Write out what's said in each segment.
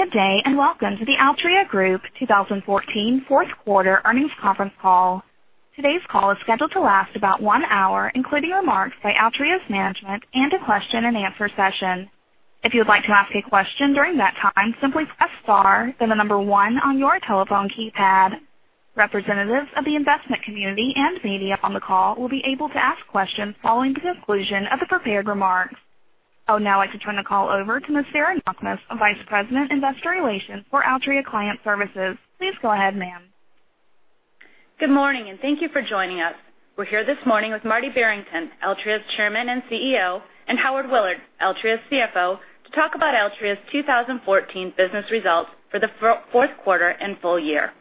Good day, and welcome to the Altria Group 2014 fourth quarter earnings conference call. Today's call is scheduled to last about one hour, including remarks by Altria's management and a question and answer session. If you would like to ask a question during that time, simply press star, then the number 1 on your telephone keypad. Representatives of the investment community and media on the call will be able to ask questions following the conclusion of the prepared remarks. I would now like to turn the call over to Ms. Sarah Knakmuhs, Vice President, Investor Relations for Altria Client Services. Please go ahead, ma'am. Good morning. Thank you for joining us. We're here this morning with Marty Barrington, Altria's Chairman and CEO, and Howard Willard, Altria's CFO, to talk about Altria's 2014 business results for the fourth quarter and full year.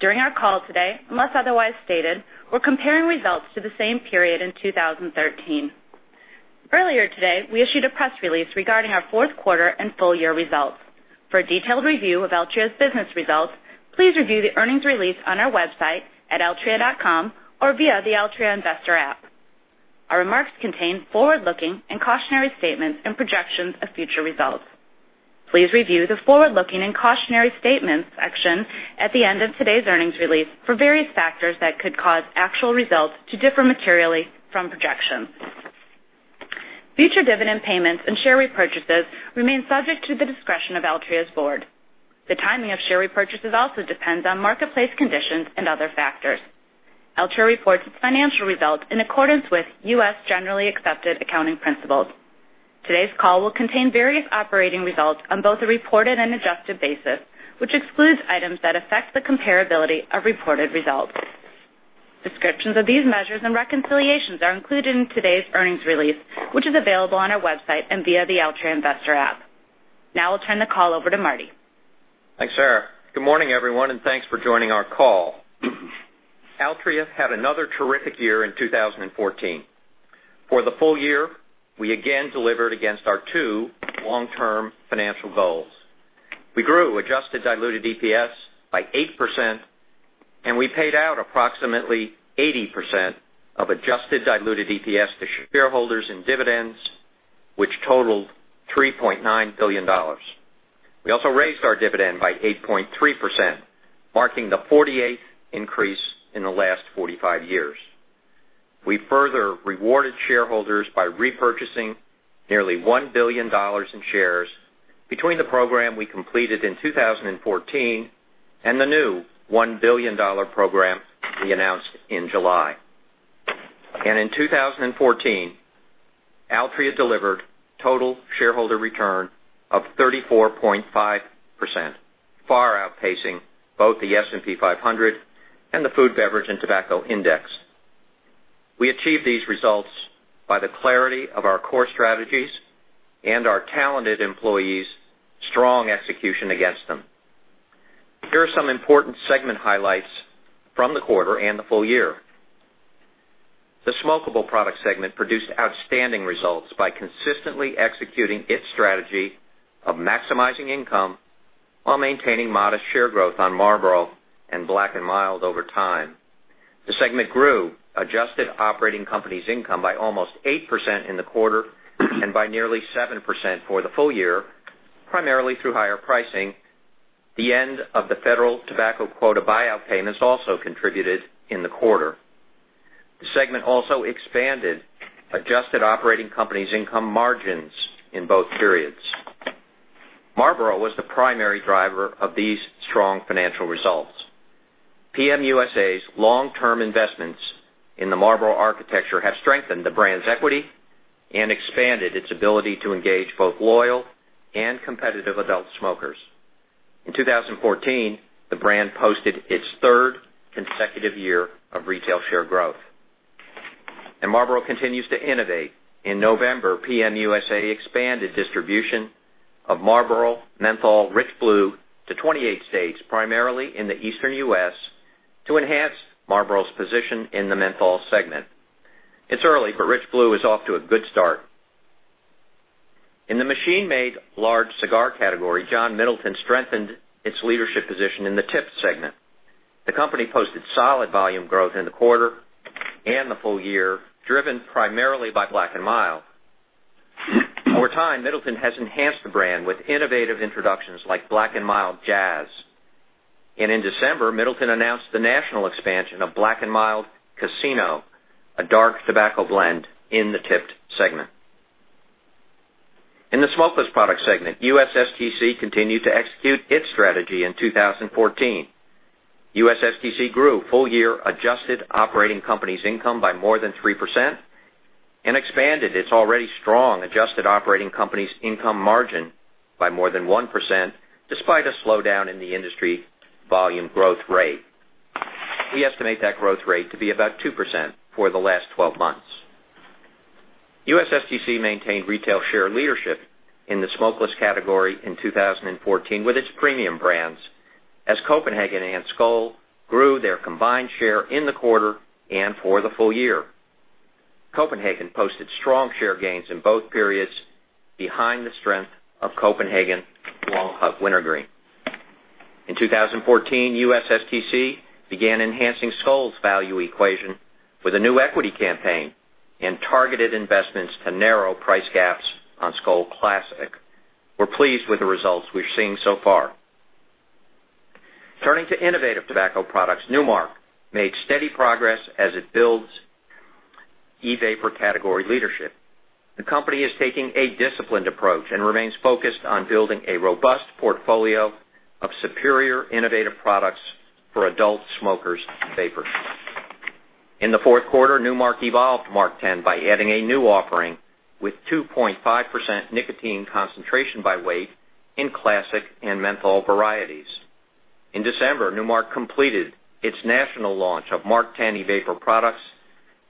During our call today, unless otherwise stated, we're comparing results to the same period in 2013. Earlier today, we issued a press release regarding our fourth quarter and full year results. For a detailed review of Altria's business results, please review the earnings release on our website at altria.com or via the Altria Investor App. Our remarks contain forward-looking and cautionary statements and projections of future results. Please review the Forward-Looking and Cautionary Statements section at the end of today's earnings release for various factors that could cause actual results to differ materially from projections. Future dividend payments and share repurchases remain subject to the discretion of Altria's board. The timing of share repurchases also depends on marketplace conditions and other factors. Altria reports its financial results in accordance with U.S. generally accepted accounting principles. Today's call will contain various operating results on both a reported and adjusted basis, which excludes items that affect the comparability of reported results. Descriptions of these measures and reconciliations are included in today's earnings release, which is available on our website and via the Altria Investor App. I'll turn the call over to Marty. Thanks, Sarah. Good morning, everyone. Thanks for joining our call. Altria had another terrific year in 2014. For the full year, we again delivered against our two long-term financial goals. We grew adjusted diluted EPS by 8%. We paid out approximately 80% of adjusted diluted EPS to shareholders in dividends, which totaled $3.9 billion. We also raised our dividend by 8.3%, marking the 48th increase in the last 45 years. We further rewarded shareholders by repurchasing nearly $1 billion in shares between the program we completed in 2014 and the new $1 billion program we announced in July. In 2014, Altria delivered total shareholder return of 34.5%, far outpacing both the S&P 500 and the Food, Beverage, and Tobacco Index. We achieved these results by the clarity of our core strategies and our talented employees' strong execution against them. Here are some important segment highlights from the quarter and the full year. The smokable product segment produced outstanding results by consistently executing its strategy of maximizing income while maintaining modest share growth on Marlboro and Black & Mild over time. The segment grew adjusted operating companies' income by almost 8% in the quarter and by nearly 7% for the full year, primarily through higher pricing. The end of the federal tobacco quota buyout payments also contributed in the quarter. The segment also expanded adjusted operating companies' income margins in both periods. Marlboro was the primary driver of these strong financial results. PM USA's long-term investments in the Marlboro architecture have strengthened the brand's equity and expanded its ability to engage both loyal and competitive adult smokers. In 2014, the brand posted its third consecutive year of retail share growth. Marlboro continues to innovate. In November, PM USA expanded distribution of Marlboro Menthol Rich Blue to 28 states, primarily in the Eastern U.S., to enhance Marlboro's position in the menthol segment. It's early, but Rich Blue is off to a good start. In the machine-made large cigar category, John Middleton strengthened its leadership position in the tipped segment. The company posted solid volume growth in the quarter and the full year, driven primarily by Black & Mild. Over time, Middleton has enhanced the brand with innovative introductions like Black & Mild Jazz. In December, Middleton announced the national expansion of Black & Mild Casino, a dark tobacco blend in the tipped segment. In the smokeless product segment, USSTC continued to execute its strategy in 2014. USSTC grew full year adjusted operating companies' income by more than 3% and expanded its already strong adjusted operating companies' income margin by more than 1% despite a slowdown in the industry volume growth rate. We estimate that growth rate to be about 2% for the last 12 months. USSTC maintained retail share leadership in the smokeless category in 2014 with its premium brands, as Copenhagen and Skoal grew their combined share in the quarter and for the full year. Copenhagen posted strong share gains in both periods behind the strength of Copenhagen Long Cut Wintergreen. In 2014, USSTC began enhancing Skoal's value equation with a new equity campaign and targeted investments to narrow price gaps on Skoal Classic. We're pleased with the results we're seeing so far. Turning to innovative tobacco products, Nu Mark made steady progress as it builds e-vapor category leadership. The company is taking a disciplined approach and remains focused on building a robust portfolio of superior innovative products for adult smokers and vapers. In the fourth quarter, Nu Mark evolved MarkTen by adding a new offering with 2.5% nicotine concentration by weight in classic and menthol varieties. In December, Nu Mark completed its national launch of MarkTen e-vapor products,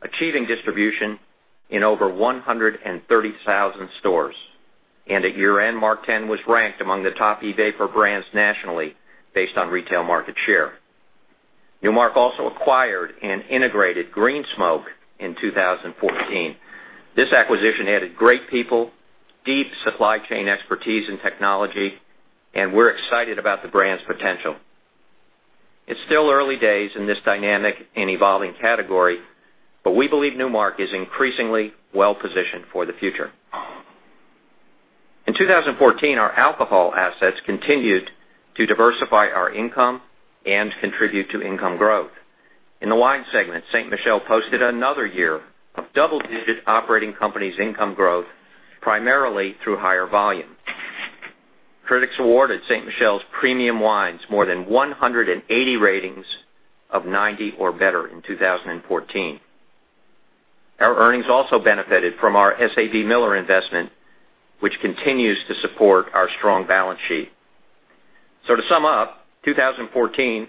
achieving distribution in over 130,000 stores. At year-end, MarkTen was ranked among the top e-vapor brands nationally based on retail market share. Nu Mark also acquired and integrated Green Smoke in 2014. This acquisition added great people, deep supply chain expertise and technology, and we're excited about the brand's potential. It's still early days in this dynamic and evolving category, but we believe Nu Mark is increasingly well-positioned for the future. In 2014, our alcohol assets continued to diversify our income and contribute to income growth. In the wine segment, Ste. Michelle posted another year of double-digit operating companies' income growth, primarily through higher volume. Critics awarded Ste. Michelle's premium wines more than 180 ratings of 90 or better in 2014. Our earnings also benefited from our SABMiller investment, which continues to support our strong balance sheet. To sum up, 2014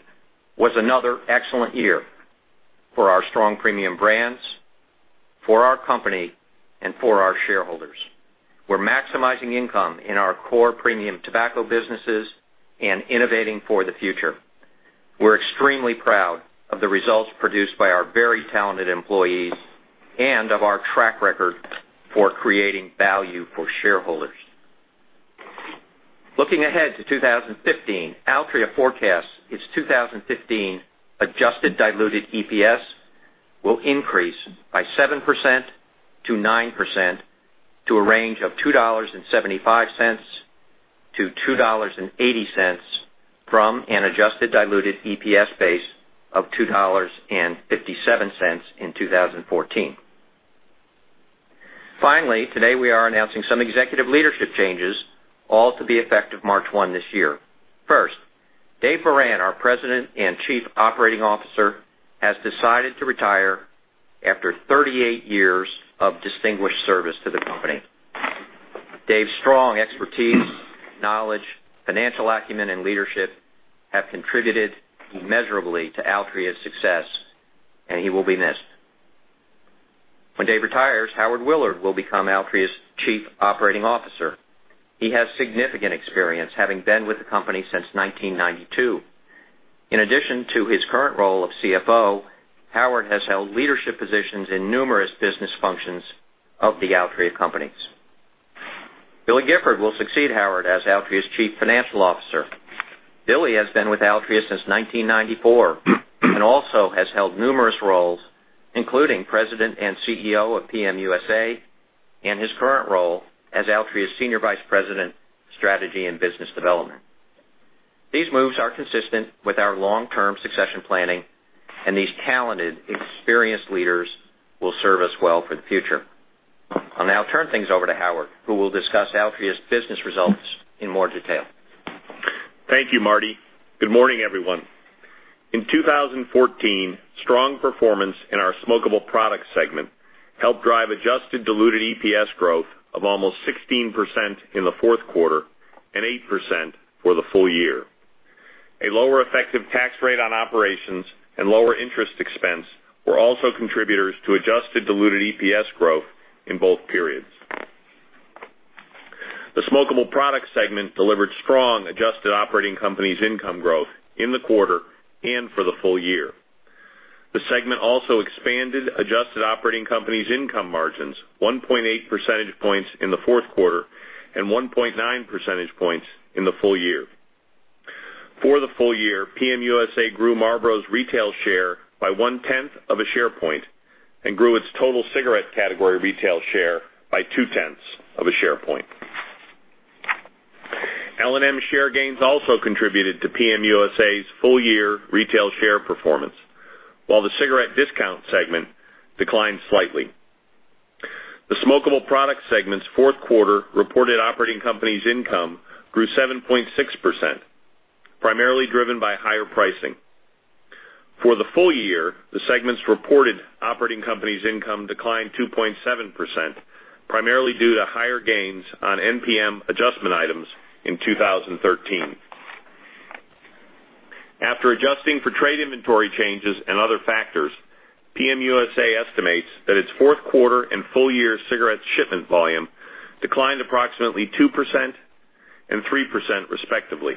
was another excellent year for our strong premium brands, for our company, and for our shareholders. We're maximizing income in our core premium tobacco businesses and innovating for the future. We're extremely proud of the results produced by our very talented employees and of our track record for creating value for shareholders. Looking ahead to 2015, Altria forecasts its 2015 adjusted diluted EPS will increase by 7%-9% to a range of $2.75-$2.80 from an adjusted diluted EPS base of $2.57 in 2014. Finally, today we are announcing some executive leadership changes, all to be effective March 1 this year. First, Dave Beran, our President and Chief Operating Officer, has decided to retire after 38 years of distinguished service to the company. Dave's strong expertise, knowledge, financial acumen, and leadership have contributed immeasurably to Altria's success, and he will be missed. When Dave retires, Howard Willard will become Altria's Chief Operating Officer. He has significant experience, having been with the company since 1992. In addition to his current role of CFO, Howard has held leadership positions in numerous business functions of the Altria companies. Billy Gifford will succeed Howard as Altria's Chief Financial Officer. Billy has been with Altria since 1994 and also has held numerous roles, including President and CEO of PM USA and his current role as Altria's Senior Vice President of Strategy and Business Development. These moves are consistent with our long-term succession planning. These talented, experienced leaders will serve us well for the future. I'll now turn things over to Howard, who will discuss Altria's business results in more detail. Thank you, Marty. Good morning, everyone. In 2014, strong performance in our smokable product segment helped drive adjusted diluted EPS growth of almost 16% in the fourth quarter and 8% for the full year. A lower effective tax rate on operations and lower interest expense were also contributors to adjusted diluted EPS growth in both periods. The smokable product segment delivered strong adjusted operating companies' income growth in the quarter and for the full year. The segment also expanded adjusted operating companies' income margins 1.8 percentage points in the fourth quarter and 1.9 percentage points in the full year. For the full year, PM USA grew Marlboro's retail share by one-tenth of a share point and grew its total cigarette category retail share by two-tenths of a share point. L&M share gains also contributed to PM USA's full-year retail share performance, while the cigarette discount segment declined slightly. The smokable product segment's fourth quarter reported operating companies income grew 7.6%, primarily driven by higher pricing. For the full year, the segment's reported operating companies income declined 2.7%, primarily due to higher gains on NPM adjustment items in 2013. After adjusting for trade inventory changes and other factors, PM USA estimates that its fourth quarter and full-year cigarettes shipment volume declined approximately 2% and 3% respectively,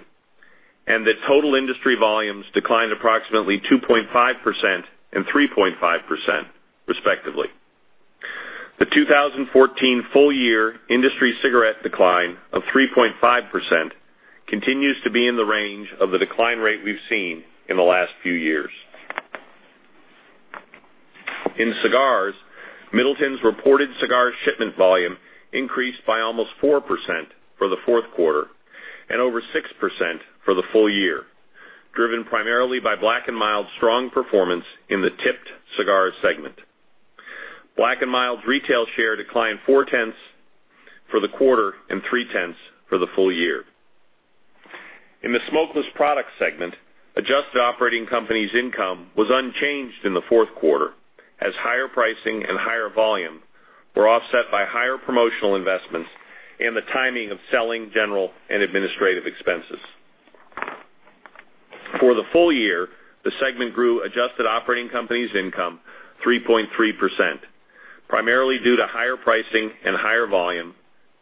and that total industry volumes declined approximately 2.5% and 3.5% respectively. The 2014 full year industry cigarette decline of 3.5% continues to be in the range of the decline rate we've seen in the last few years. In cigars, Middleton's reported cigar shipment volume increased by almost 4% for the fourth quarter and over 6% for the full year, driven primarily by Black & Mild's strong performance in the tipped cigar segment. Black & Mild's retail share declined four-tenths for the quarter and three-tenths for the full year. In the smokeless product segment, adjusted operating company income was unchanged in the fourth quarter as higher pricing and higher volume were offset by higher promotional investments and the timing of selling general and administrative expenses. For the full year, the segment grew adjusted operating company income 3.3%, primarily due to higher pricing and higher volume,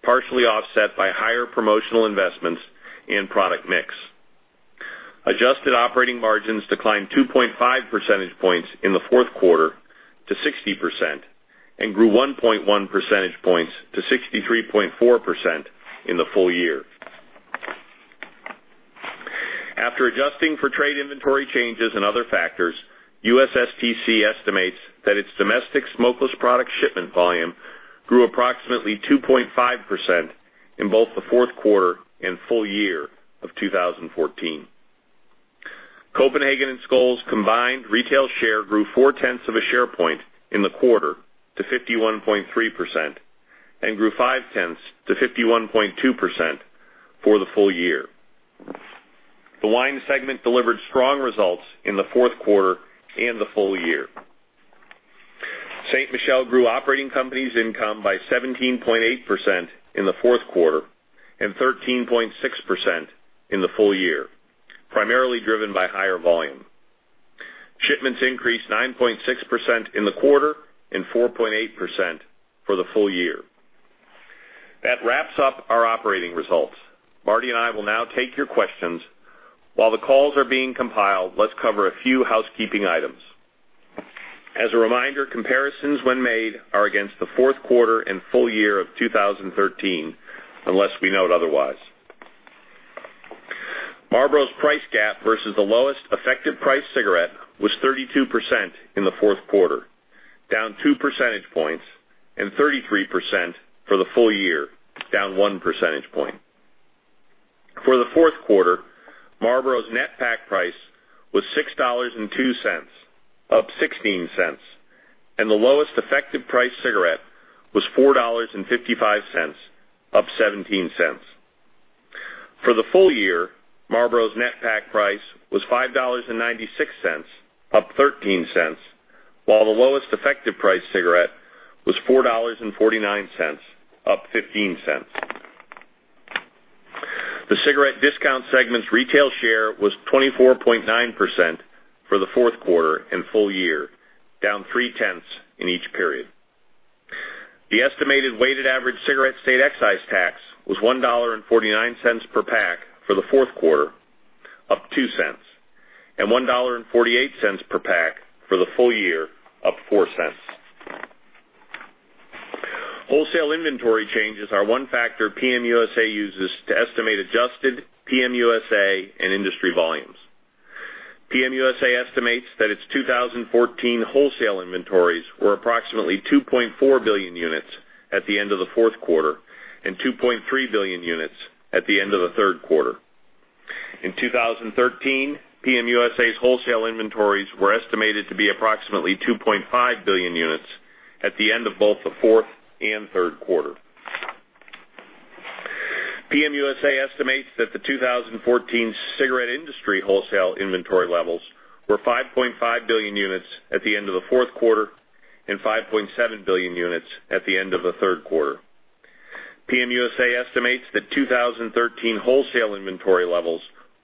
partially offset by higher promotional investments and product mix. Adjusted operating margins declined 2.5 percentage points in the fourth quarter to 60% and grew 1.1 percentage points to 63.4% in the full year. After adjusting for trade inventory changes and other factors, USSTC estimates that its domestic smokeless product shipment volume grew approximately 2.5% in both the fourth quarter and full year of 2014. Copenhagen and Skoal's combined retail share grew four-tenths of a share point in the quarter to 51.3% and grew five-tenths to 51.2% for the full year. The wine segment delivered strong results in the fourth quarter and the full year. Ste. Michelle grew operating companies income by 17.8% in the fourth quarter and 13.6% in the full year, primarily driven by higher volume. Shipments increased 9.6% in the quarter and 4.8% for the full year. That wraps up our operating results. Marty and I will now take your questions. While the calls are being compiled, let's cover a few housekeeping items. As a reminder, comparisons when made are against the fourth quarter and full year of 2013, unless we note otherwise. Marlboro's price gap versus the lowest effective price cigarette was 32% in the fourth quarter, down two percentage points, and 33% for the full year, down one percentage point. For the fourth quarter, Marlboro's net pack price was $6.02, up $0.16, and the lowest effective price cigarette was $4.55, up $0.17. For the full year, Marlboro's net pack price was $5.96, up $0.13, while the lowest effective price cigarette was $4.49, up $0.15. The cigarette discount segment's retail share was 24.9% for the fourth quarter and full year, down three-tenths in each period. The estimated weighted average cigarette state excise tax was $1.49 per pack for the fourth quarter, up $0.02, and $1.48 per pack for the full year, up $0.04. Wholesale inventory changes are one factor PM USA uses to estimate adjusted PM USA and industry volumes. PM USA estimates that its 2014 wholesale inventories were approximately 2.4 billion units at the end of the fourth quarter and 2.3 billion units at the end of the third quarter. In 2013, PM USA's wholesale inventories were estimated to be approximately 2.5 billion units at the end of both the fourth and third quarter. PM USA estimates that the 2014 cigarette industry wholesale inventory levels were 5.5 billion units at the end of the fourth quarter and 5.7 billion units at the end of the third quarter. PM USA estimates that 2013 wholesale inventory levels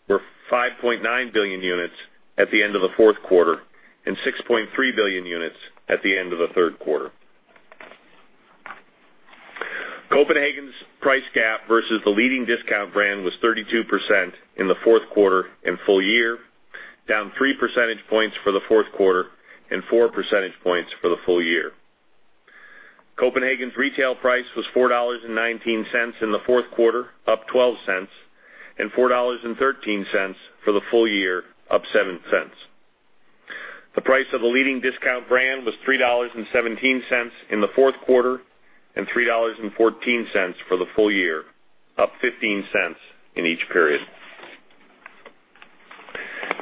were 5.9 billion units at the end of the fourth quarter and 6.3 billion units at the end of the third quarter. Copenhagen's price gap versus the leading discount brand was 32% in the fourth quarter and full year, down three percentage points for the fourth quarter and four percentage points for the full year. Copenhagen's retail price was $4.19 in the fourth quarter, up $0.12, and $4.13 for the full year, up $0.07. The price of the leading discount brand was $3.17 in the fourth quarter and $3.14 for the full year, up $0.15 in each period.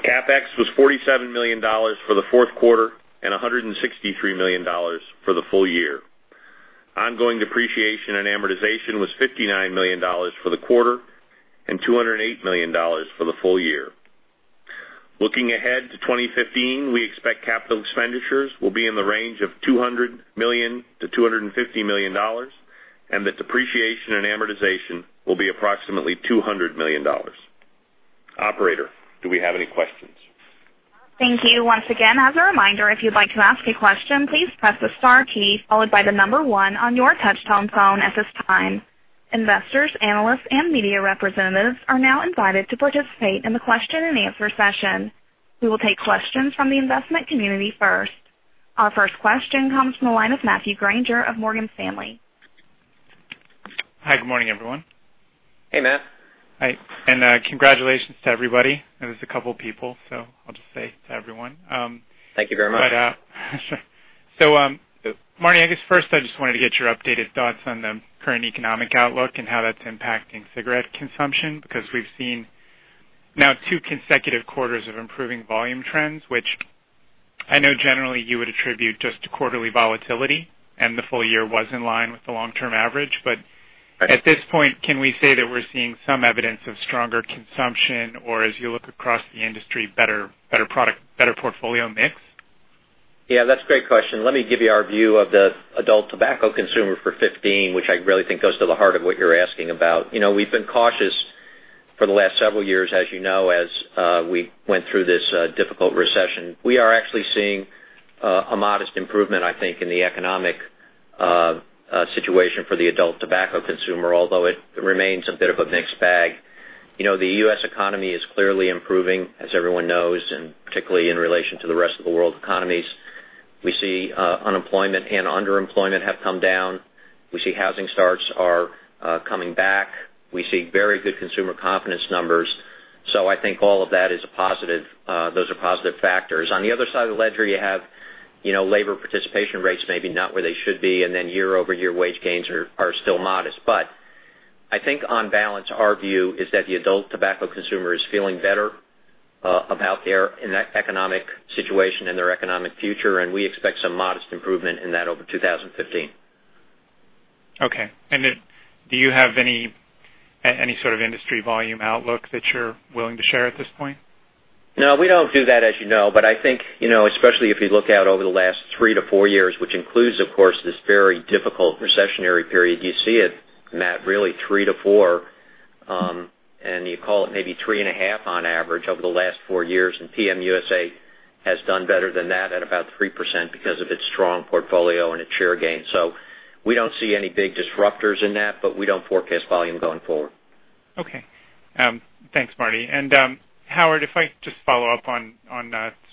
CapEx was $47 million for the fourth quarter and $163 million for the full year. Ongoing depreciation and amortization was $59 million for the quarter and $208 million for the full year. Looking ahead to 2015, we expect capital expenditures will be in the range of $200 million-$250 million, and that depreciation and amortization will be approximately $200 million. Operator, do we have any questions? Thank you once again. As a reminder, if you'd like to ask a question, please press the star key followed by the number 1 on your touch-tone phone at this time. Investors, analysts, and media representatives are now invited to participate in the question-and-answer session. We will take questions from the investment community first. Our first question comes from the line of Matthew Grainger of Morgan Stanley. Hi. Good morning, everyone. Hey, Matt. Hi. Congratulations to everybody. I know there's a couple people. I'll just say to everyone. Thank you very much. Sure. Marty, I guess first I just wanted to get your updated thoughts on the current economic outlook and how that's impacting cigarette consumption, because we've seen now two consecutive quarters of improving volume trends, which I know generally you would attribute just to quarterly volatility, and the full year was in line with the long-term average. At this point, can we say that we're seeing some evidence of stronger consumption or as you look across the industry, better portfolio mix? That's a great question. Let me give you our view of the adult tobacco consumer for 2015, which I really think goes to the heart of what you're asking about. We've been cautious for the last several years, as you know, as we went through this difficult recession. We are actually seeing a modest improvement, I think, in the economic situation for the adult tobacco consumer, although it remains a bit of a mixed bag. The U.S. economy is clearly improving, as everyone knows, and particularly in relation to the rest of the world economies. We see unemployment and underemployment have come down. We see housing starts are coming back. We see very good consumer confidence numbers. I think all of that, those are positive factors. On the other side of the ledger, you have labor participation rates maybe not where they should be, year-over-year wage gains are still modest. I think on balance, our view is that the adult tobacco consumer is feeling better about their economic situation and their economic future, and we expect some modest improvement in that over 2015. Okay. Do you have any sort of industry volume outlook that you're willing to share at this point? No, we don't do that, as you know. I think, especially if you look out over the last 3 to 4 years, which includes, of course, this very difficult recessionary period, you see it, Matt, really 3 to 4, and you call it maybe 3.5 on average over the last 4 years. PM USA has done better than that at about 3% because of its strong portfolio and its share gain. We don't see any big disruptors in that, we don't forecast volume going forward. Okay. Thanks, Marty. Howard, if I just follow up on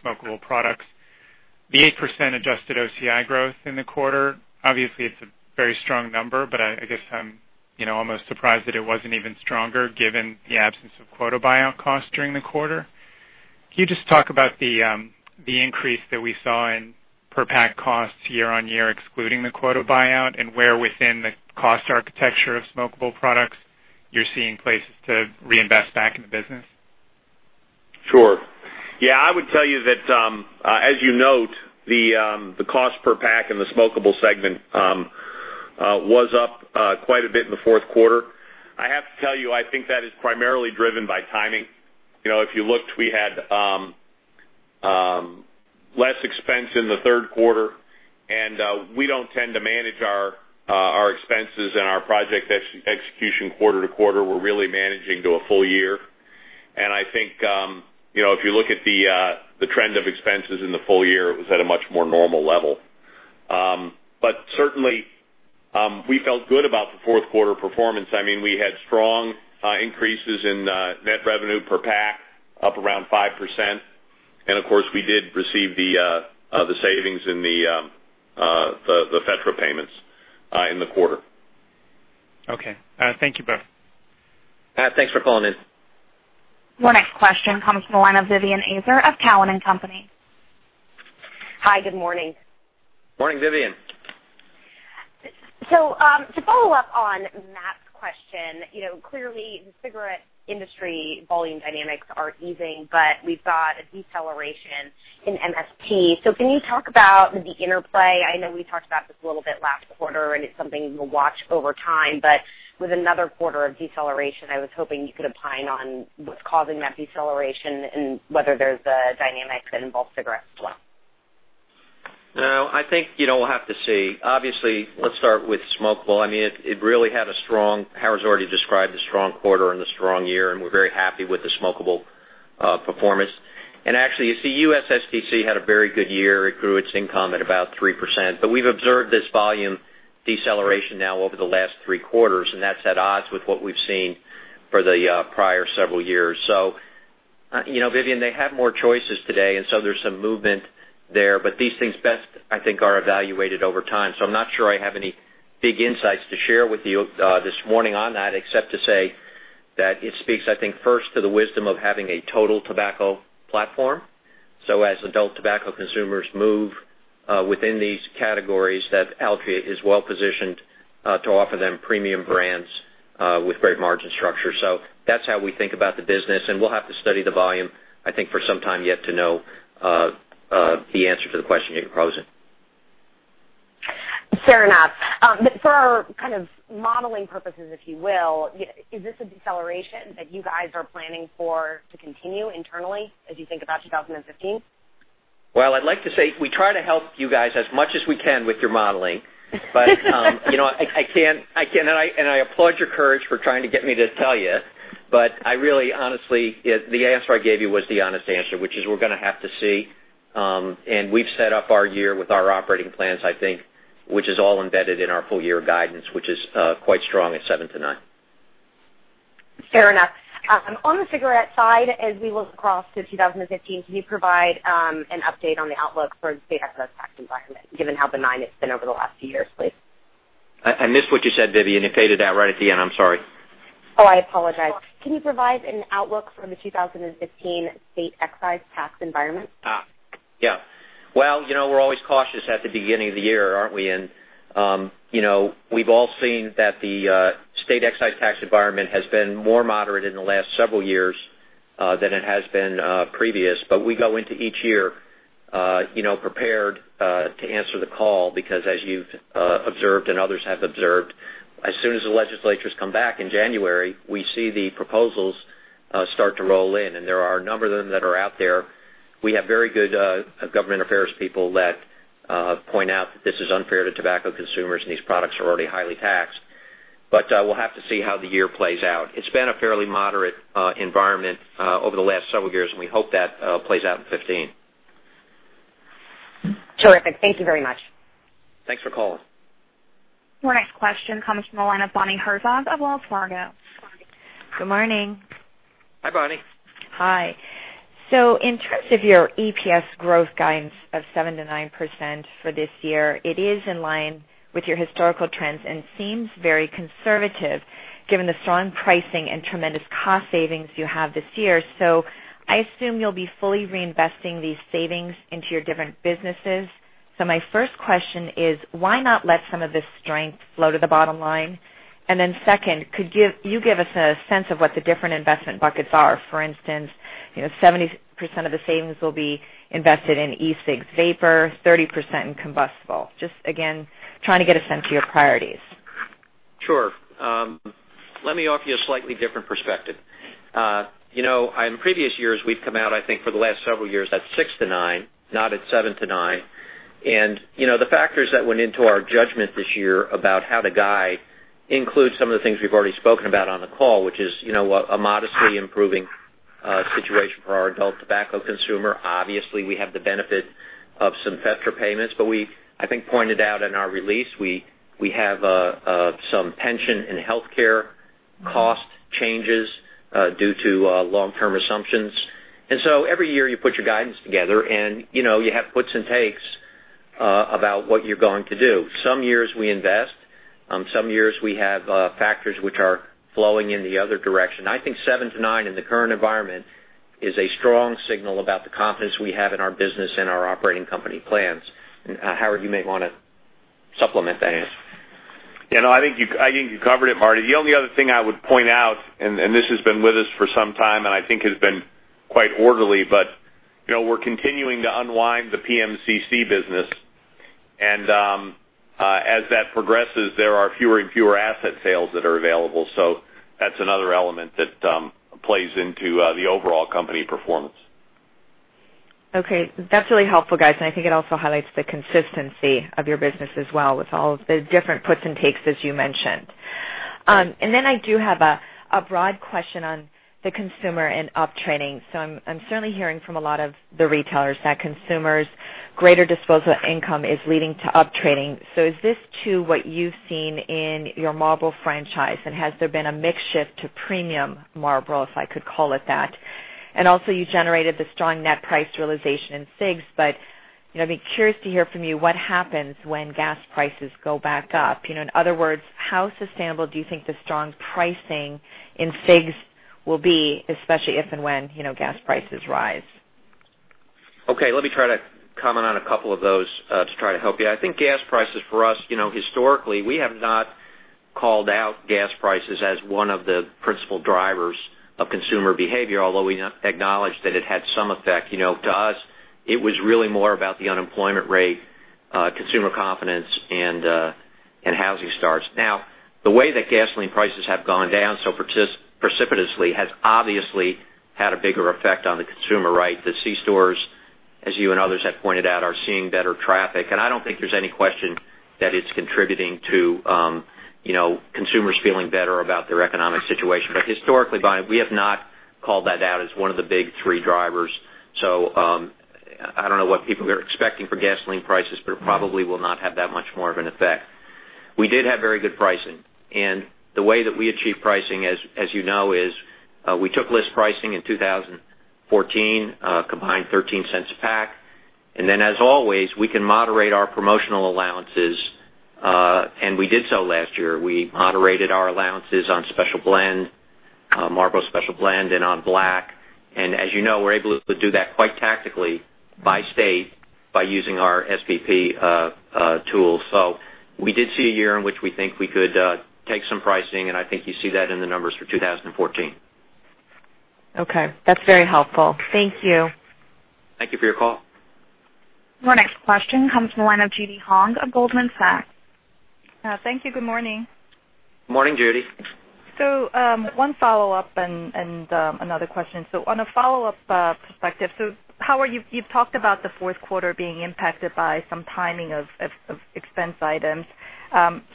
smokable products. The 8% adjusted OCI growth in the quarter, obviously, it's a very strong number. I guess I'm almost surprised that it wasn't even stronger given the absence of quota buyout costs during the quarter. Can you just talk about the increase that we saw in per pack costs year-on-year, excluding the quota buyout? Where within the cost architecture of smokable products you're seeing places to reinvest back in the business? Sure. Yeah, I would tell you that, as you note, the cost per pack in the smokable segment was up quite a bit in the fourth quarter. I have to tell you, I think that is primarily driven by timing. If you looked, we had less expense in the third quarter. We don't tend to manage our expenses and our project execution quarter-to-quarter. We're really managing to a full year. I think, if you look at the trend of expenses in the full year, it was at a much more normal level. Certainly, we felt good about the fourth quarter performance. We had strong increases in net revenue per pack, up around 5%. Of course, we did receive the savings in the federal payments in the quarter. Okay. Thank you both. Matt, thanks for calling in. Our next question comes from the line of Vivien Azer of Cowen and Company. Hi. Good morning. Morning, Vivien. To follow up on Matt's question, clearly the cigarette industry volume dynamics are easing, but we saw a deceleration in MST. Can you talk about the interplay? I know we talked about this a little bit last quarter, and it's something we'll watch over time, but with another quarter of deceleration, I was hoping you could opine on what's causing that deceleration and whether there's dynamics that involve cigarettes as well. I think we'll have to see. Obviously, let's start with smokable. Howard's already described the strong quarter and the strong year, and we're very happy with the smokable performance. Actually, U.S. STC had a very good year. It grew its income at about 3%. We've observed this volume deceleration now over the last three quarters, and that's at odds with what we've seen for the prior several years. Vivien, they have more choices today, and so there's some movement there. These things best, I think, are evaluated over time. I'm not sure I have any big insights to share with you this morning on that except to say that it speaks, I think, first to the wisdom of having a total tobacco platform. As adult tobacco consumers move within these categories, Altria is well-positioned to offer them premium brands with great margin structure. That's how we think about the business, and we'll have to study the volume, I think, for some time yet to know the answer to the question that you're posing. Fair enough. For kind of modeling purposes, if you will, is this a deceleration that you guys are planning for to continue internally as you think about 2015? Well, I'd like to say we try to help you guys as much as we can with your modeling. I applaud your courage for trying to get me to tell you, but really, honestly, the answer I gave you was the honest answer, which is we're going to have to see. We've set up our year with our operating plans, I think, which is all embedded in our full-year guidance, which is quite strong at 7%-9%. Fair enough. On the cigarette side, as we look across to 2015, can you provide an update on the outlook for the state excise tax environment, given how benign it's been over the last few years, please? I missed what you said, Vivien. It faded out right at the end. I'm sorry. I apologize. Can you provide an outlook for the 2015 state excise tax environment? Yeah. Well, we're always cautious at the beginning of the year, aren't we? We've all seen that the state excise tax environment has been more moderate in the last several years, than it has been previous. We go into each year prepared to answer the call, because as you've observed, and others have observed, as soon as the legislatures come back in January, we see the proposals start to roll in, and there are a number of them that are out there. We have very good government affairs people that point out that this is unfair to tobacco consumers, and these products are already highly taxed. We'll have to see how the year plays out. It's been a fairly moderate environment over the last several years, and we hope that plays out in 2015. Terrific. Thank you very much. Thanks for calling. Our next question comes from the line of Bonnie Herzog of Wells Fargo. Good morning. Hi, Bonnie. Hi. In terms of your EPS growth guidance of 7%-9% for this year, it is in line with your historical trends and seems very conservative given the strong pricing and tremendous cost savings you have this year. I assume you will be fully reinvesting these savings into your different businesses. My first question is, why not let some of this strength flow to the bottom line? Then second, could you give us a sense of what the different investment buckets are? For instance, 70% of the savings will be invested in e-cigs vapor, 30% in combustible. Just again, trying to get a sense of your priorities. Sure. Let me offer you a slightly different perspective. In previous years, we have come out, I think, for the last several years at 6%-9%, not at 7%-9%. The factors that went into our judgment this year about how to guide include some of the things we have already spoken about on the call, which is a modestly improving situation for our adult tobacco consumer. Obviously, we have the benefit of some FETRA payments, but we, I think, pointed out in our release we have some pension and healthcare cost changes due to long-term assumptions. Every year you put your guidance together, and you have puts and takes about what you are going to do. Some years we invest. Some years we have factors which are flowing in the other direction. I think 7%-9% in the current environment is a strong signal about the confidence we have in our business and our operating company plans. Howard, you may want to supplement that answer. I think you covered it, Marty. The only other thing I would point out, this has been with us for some time and I think has been quite orderly, but we're continuing to unwind the PMCC business. As that progresses, there are fewer and fewer asset sales that are available. That's another element that plays into the overall company performance. Okay. That's really helpful, guys. I think it also highlights the consistency of your business as well, with all of the different puts and takes, as you mentioned. Then I do have a broad question on the consumer and uptrading. I'm certainly hearing from a lot of the retailers that consumers' greater disposable income is leading to uptrading. Is this too what you've seen in your Marlboro franchise, and has there been a mix shift to premium Marlboro, if I could call it that? Also you generated the strong net price realization in cigs, but I'd be curious to hear from you what happens when gas prices go back up. In other words, how sustainable do you think the strong pricing in cigs will be, especially if and when gas prices rise? Let me try to comment on a couple of those to try to help you. I think gas prices for us, historically, we have not called out gas prices as one of the principal drivers of consumer behavior, although we acknowledge that it had some effect. To us, it was really more about the unemployment rate, consumer confidence, and housing starts. The way that gasoline prices have gone down so precipitously has obviously had a bigger effect on the consumer. The C-stores, as you and others have pointed out, are seeing better traffic. I don't think there's any question that it's contributing to consumers feeling better about their economic situation. Historically, Bonnie, we have not called that out as one of the big three drivers. I don't know what people are expecting for gasoline prices, but it probably will not have that much more of an effect. We did have very good pricing. The way that we achieve pricing, as you know, is we took list pricing in 2014, combined $0.13 a pack. Then as always, we can moderate our promotional allowances, and we did so last year. We moderated our allowances on Marlboro Special Blend and on Marlboro Black. As you know, we're able to do that quite tactically by state by using our SPP tool. We did see a year in which we think we could take some pricing. I think you see that in the numbers for 2014. Okay. That's very helpful. Thank you. Thank you for your call. Our next question comes from the line of Judy Hong of Goldman Sachs. Thank you. Good morning. Morning, Judy. One follow-up and another question. On a follow-up perspective, Howard, you've talked about the fourth quarter being impacted by some timing of expense items.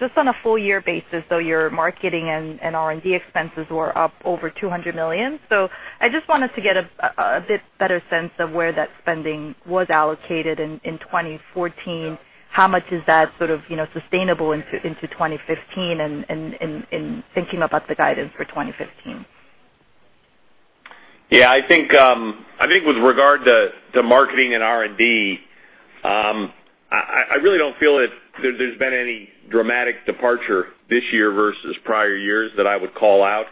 Just on a full year basis, your marketing and R&D expenses were up over $200 million. I just wanted to get a bit better sense of where that spending was allocated in 2014. How much is that sort of sustainable into 2015, and thinking about the guidance for 2015? I think with regard to marketing and R&D, I really don't feel that there's been any dramatic departure this year versus prior years that I would call out.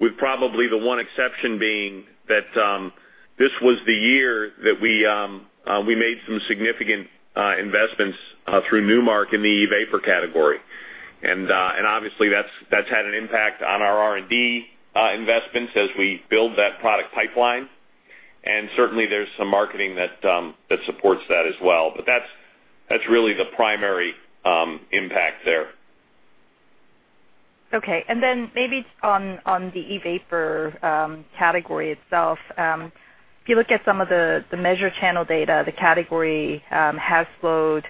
With probably the one exception being that this was the year that we made some significant investments through Nu Mark in the e-vapor category. Obviously, that's had an impact on our R&D investments as we build that product pipeline. Certainly, there's some marketing that supports that as well. That's really the primary impact there. Then maybe on the e-vapor category itself, if you look at some of the measure channel data, the category has slowed.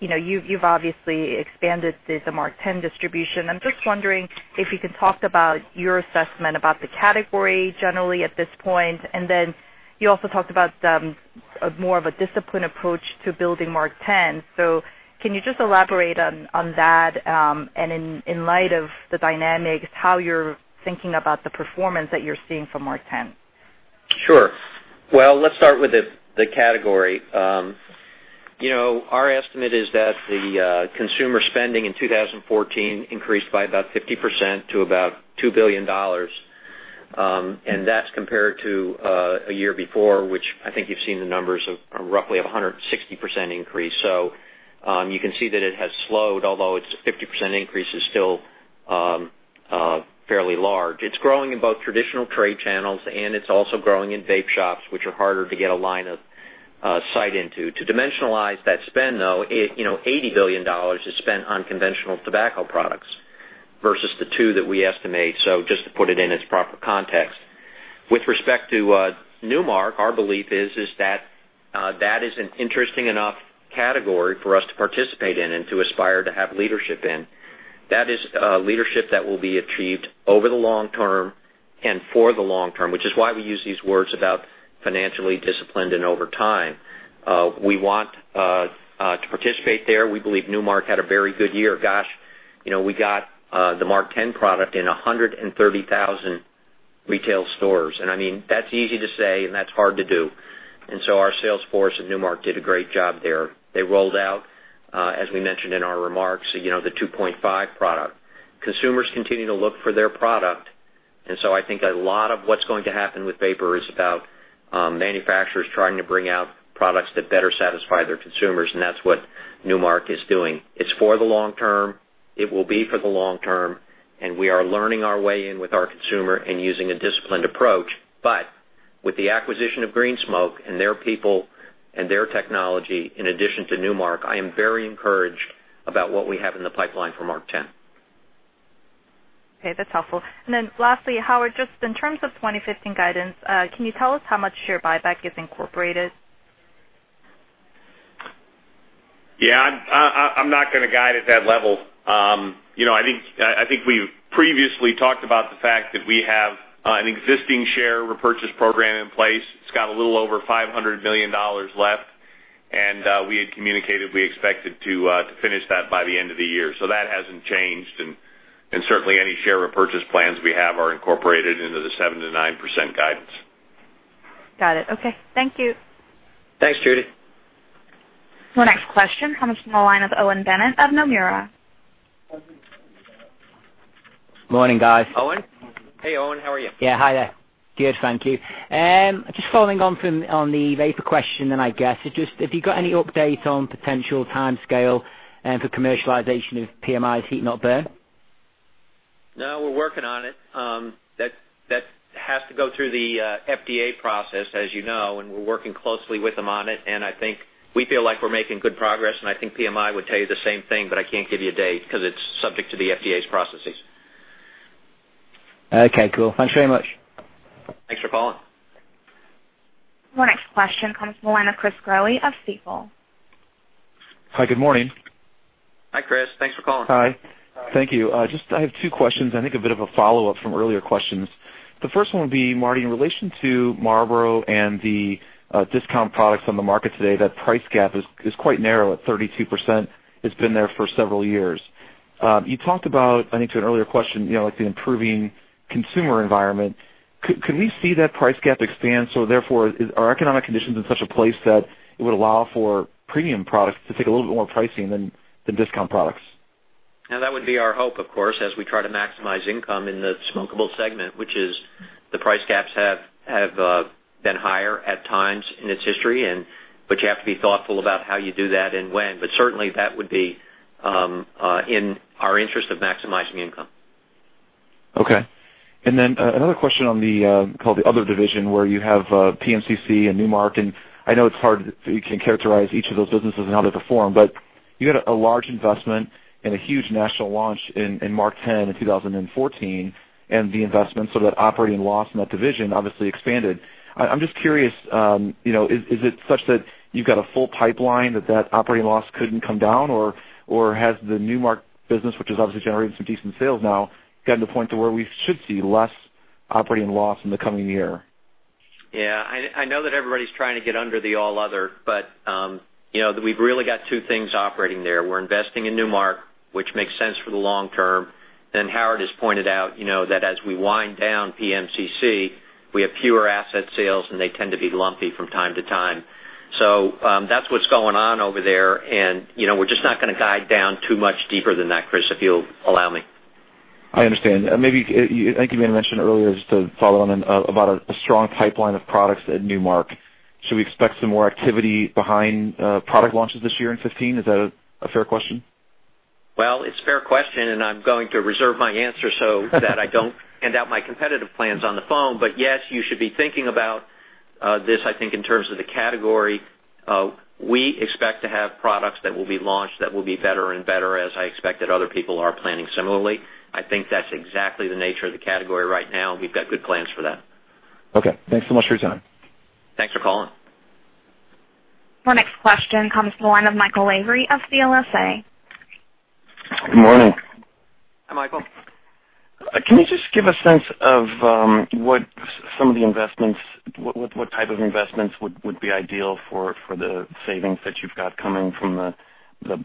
You've obviously expanded the MarkTen distribution. I'm just wondering if you can talk about your assessment about the category generally at this point. Then you also talked about more of a disciplined approach to building MarkTen. Can you just elaborate on that and in light of the dynamics, how you're thinking about the performance that you're seeing from MarkTen? Sure. Well, let's start with the category. Our estimate is that the consumer spending in 2014 increased by about 50% to about $2 billion. That's compared to a year before, which I think you've seen the numbers of roughly 160% increase. You can see that it has slowed, although its 50% increase is still fairly large. It's growing in both traditional trade channels, and it's also growing in vape shops, which are harder to get a line of sight into. To dimensionalize that spend, though, $80 billion is spent on conventional tobacco products versus the $2 billion that we estimate. Just to put it in its proper context. With respect to Nu Mark, our belief is that is an interesting enough category for us to participate in and to aspire to have leadership in. That is leadership that will be achieved over the long term and for the long term, which is why we use these words about financially disciplined and over time. We want to participate there. We believe Nu Mark had a very good year. Gosh, we got the MarkTen product in 130,000 retail stores. I mean, that's easy to say, and that's hard to do. Our sales force at Nu Mark did a great job there. They rolled out, as we mentioned in our remarks, the 2.5 product. Consumers continue to look for their product. I think a lot of what's going to happen with vapor is about manufacturers trying to bring out products that better satisfy their consumers, and that's what Nu Mark is doing. It's for the long term, it will be for the long term, and we are learning our way in with our consumer and using a disciplined approach. With the acquisition of Green Smoke and their people and their technology, in addition to Nu Mark, I am very encouraged about what we have in the pipeline for MarkTen. Okay. That's helpful. Lastly, Howard, just in terms of 2015 guidance, can you tell us how much share buyback is incorporated? Yeah, I'm not going to guide at that level. I think we've previously talked about the fact that we have an existing share repurchase program in place. It's got a little over $500 million left, and we had communicated we expected to finish that by the end of the year. That hasn't changed. Certainly, any share repurchase plans we have are incorporated into the 7%-9% guidance. Got it. Okay. Thank you. Thanks, Judy. The next question comes from the line of Owen Bennett of Nomura. Morning, guys. Owen? Hey, Owen. How are you? Yeah, hi there. Good, thank you. Just following on from the vapor question, then I guess. Have you got any update on potential timescale for commercialization of PMI's heat-not-burn? No, we're working on it. That has to go through the FDA process, as you know, and we're working closely with them on it, and I think we feel like we're making good progress. I think PMI would tell you the same thing, but I can't give you a date because it's subject to the FDA's processes. Okay, cool. Thanks very much. Thanks for calling. Our next question comes from the line of Chris Growe of Stifel. Hi, good morning. Hi, Chris. Thanks for calling. Hi. Thank you. I have two questions, I think a bit of a follow-up from earlier questions. The first one would be, Marty, in relation to Marlboro and the discount products on the market today, that price gap is quite narrow at 32%. It has been there for several years. You talked about, I think to an earlier question, the improving consumer environment. Could we see that price gap expand, therefore are economic conditions in such a place that it would allow for premium products to take a little bit more pricing than discount products? That would be our hope, of course, as we try to maximize income in the smokable segment, which is the price gaps have been higher at times in its history. You have to be thoughtful about how you do that and when. Certainly, that would be in our interest of maximizing income. Okay. Then another question on the, call it the other division, where you have PMCC and Nu Mark, and I know it is hard to characterize each of those businesses and how they perform. You had a large investment and a huge national launch in MarkTen in 2014 and the investment, that operating loss in that division obviously expanded. I am just curious, is it such that you have got a full pipeline that operating loss couldn't come down? Has the Nu Mark business, which is obviously generating some decent sales now, gotten to the point to where we should see less operating loss in the coming year? Yeah. I know that everybody's trying to get under the all other. We've really got two things operating there. We're investing in Nu Mark, which makes sense for the long term. Howard has pointed out that as we wind down PMCC, we have fewer asset sales, and they tend to be lumpy from time to time. That's what's going on over there, and we're just not going to guide down too much deeper than that, Chris, if you'll allow me. I understand. I think you may have mentioned earlier, just to follow on, about a strong pipeline of products at Nu Mark. Should we expect some more activity behind product launches this year in 2015? Is that a fair question? Well, it's a fair question. I'm going to reserve my answer so that I don't hand out my competitive plans on the phone. Yes, you should be thinking about this, I think, in terms of the category. We expect to have products that will be launched that will be better and better, as I expect that other people are planning similarly. I think that's exactly the nature of the category right now. We've got good plans for that. Okay. Thanks so much for your time. Thanks for calling. Our next question comes from the line of Michael Lavery of CLSA. Good morning. Hi, Michael. Can you just give a sense of what type of investments would be ideal for the savings that you've got coming from the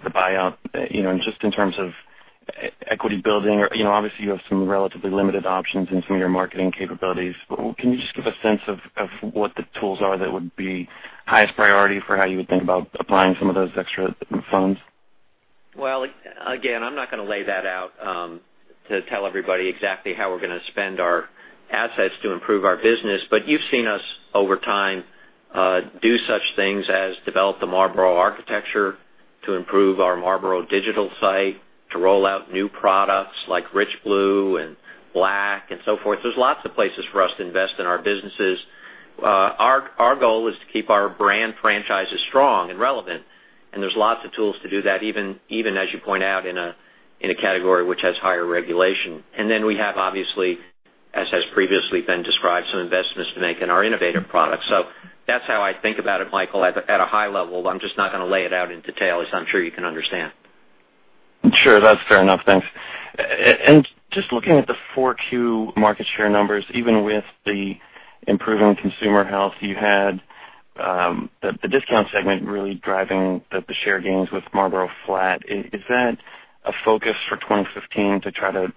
buyout? Just in terms of equity building. Obviously, you have some relatively limited options in some of your marketing capabilities, but can you just give a sense of what the tools are that would be highest priority for how you would think about applying some of those extra funds? Well, again, I'm not going to lay that out to tell everybody exactly how we're going to spend our assets to improve our business. You've seen us over time do such things as develop the Marlboro architecture to improve our Marlboro digital site, to roll out new products like Rich Blue and Black and so forth. There's lots of places for us to invest in our businesses. Our goal is to keep our brand franchises strong and relevant, and there's lots of tools to do that, even as you point out, in a category which has higher regulation. Then we have obviously, as has previously been described, some investments to make in our innovative products. That's how I think about it, Michael, at a high level. I'm just not going to lay it out in detail, as I'm sure you can understand. Sure. That's fair enough. Thanks. Just looking at the Q4 market share numbers, even with the improving consumer health, you had the discount segment really driving the share gains with Marlboro flat. Is that a focus for 2015 to try to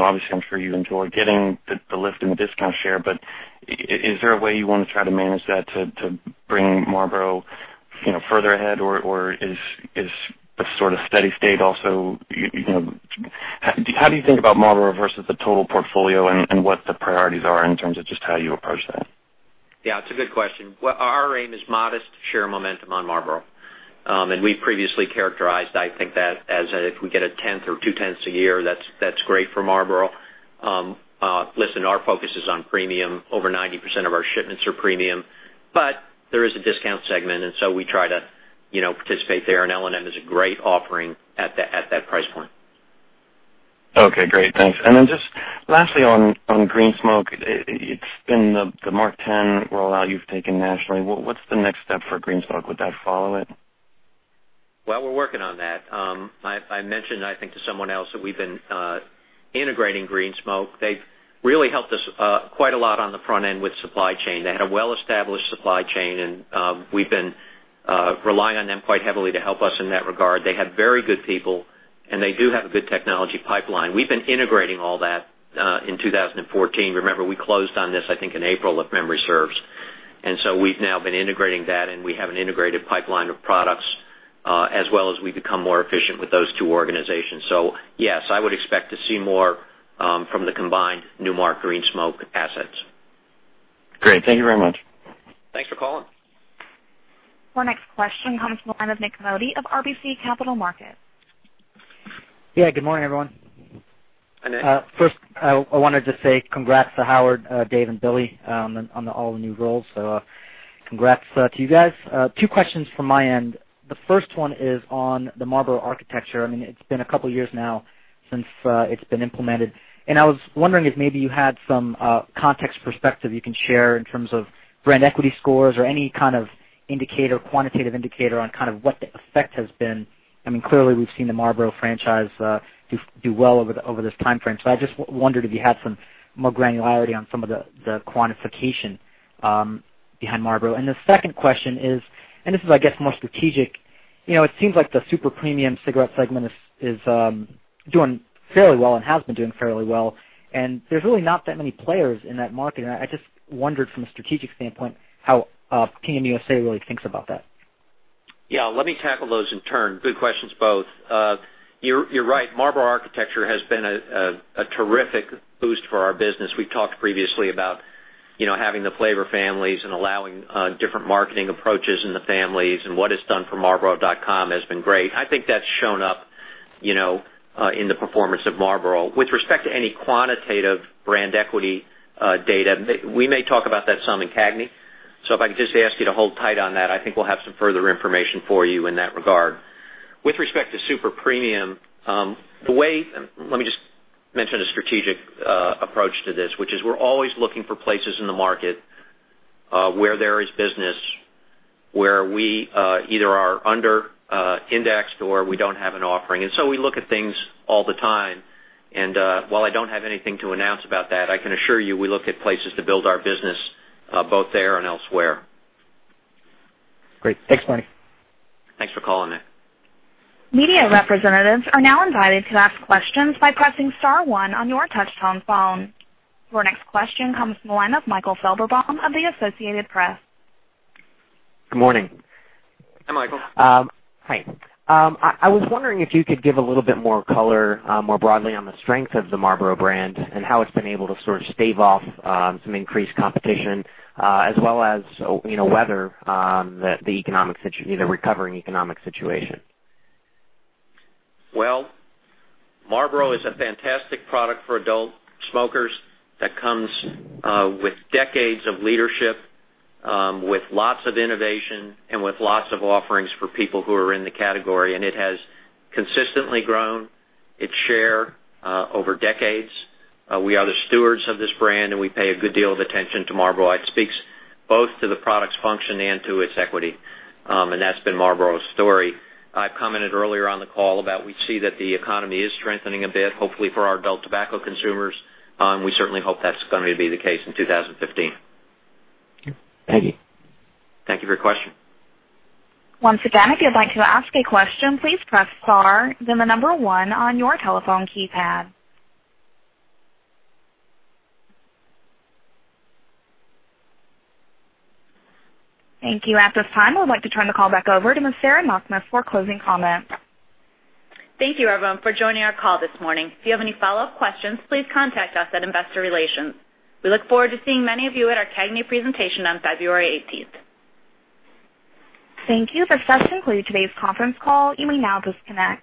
obviously, I'm sure you enjoy getting the lift in the discount share, is there a way you want to try to manage that to bring Marlboro further ahead? Is a sort of steady state also how do you think about Marlboro versus the total portfolio and what the priorities are in terms of just how you approach that? Yeah, it's a good question. Our aim is modest share momentum on Marlboro. We've previously characterized, I think, that as if we get a tenth or two tenths a year, that's great for Marlboro. Listen, our focus is on premium. Over 90% of our shipments are premium, there is a discount segment, and we try to participate there, and L&M is a great offering at that price point. Okay, great. Thanks. Just lastly on Green Smoke, it's been the MarkTen rollout you've taken nationally. What's the next step for Green Smoke? Would that follow it? Well, we're working on that. I mentioned, I think, to someone else that we've been integrating Green Smoke. They've really helped us quite a lot on the front end with supply chain. They had a well-established supply chain, and we've been relying on them quite heavily to help us in that regard. They have very good people, and they do have a good technology pipeline. We've been integrating all that in 2014. Remember, we closed on this, I think, in April, if memory serves. We've now been integrating that, and we have an integrated pipeline of products, as well as we become more efficient with those two organizations. Yes, I would expect to see more from the combined Nu Mark Green Smoke assets. Great. Thank you very much. Thanks for calling. Our next question comes from the line of Nik Modi of RBC Capital Markets. Yeah. Good morning, everyone. Hi, Nik. First, I wanted to say congrats to Howard, Dave, and Billy on the all new roles. Congrats to you guys. Two questions from my end. The first one is on the Marlboro architecture. I mean, it's been a couple of years now since it's been implemented. I was wondering if maybe you had some context perspective you can share in terms of brand equity scores or any kind of indicator, quantitative indicator on kind of what the effect has been. I mean, clearly, we've seen the Marlboro franchise do well over this timeframe. I just wondered if you had some more granularity on some of the quantification behind Marlboro. The second question is, and this is, I guess, more strategic. It seems like the super premium cigarette segment is doing fairly well and has been doing fairly well, and there's really not that many players in that market. I just wondered from a strategic standpoint how PM USA really thinks about that. Yeah. Let me tackle those in turn. Good questions both. You're right. Marlboro architecture has been a terrific boost for our business. We've talked previously about having the flavor families and allowing different marketing approaches in the families, and what it's done for marlboro.com has been great. I think that's shown up in the performance of Marlboro. With respect to any quantitative brand equity data, we may talk about that some in CAGNY. If I could just ask you to hold tight on that, I think we'll have some further information for you in that regard. With respect to super premium, let me just mention a strategic approach to this, which is we're always looking for places in the market where there is business where we either are under-indexed or we don't have an offering. We look at things all the time. While I don't have anything to announce about that, I can assure you we look at places to build our business, both there and elsewhere. Great. Thanks, Marty. Thanks for calling in. Media representatives are now invited to ask questions by pressing star one on your touchtone phone. Your next question comes from the line of Michael Felberbaum of the Associated Press. Good morning. Hi, Michael. Hi. I was wondering if you could give a little bit more color, more broadly on the strength of the Marlboro brand and how it's been able to sort of stave off some increased competition, as well as weather the recovering economic situation. Well, Marlboro is a fantastic product for adult smokers that comes with decades of leadership, with lots of innovation, and with lots of offerings for people who are in the category. It has consistently grown its share over decades. We are the stewards of this brand, and we pay a good deal of attention to Marlboro. It speaks both to the product's function and to its equity. That's been Marlboro's story. I commented earlier on the call about we see that the economy is strengthening a bit, hopefully for our adult tobacco consumers. We certainly hope that's going to be the case in 2015. Thank you. Thank you for your question. Once again, if you'd like to ask a question, please press star then the number one on your telephone keypad. Thank you. At this time, we'd like to turn the call back over to Ms. Sarah Knakmuhs for closing comment. Thank you, everyone, for joining our call this morning. If you have any follow-up questions, please contact us at investor relations. We look forward to seeing many of you at our CAGNY presentation on February 18th. Thank you. This does conclude today's conference call. You may now disconnect.